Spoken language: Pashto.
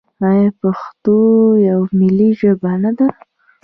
آیا پښتو یوه ملي ژبه نه ده؟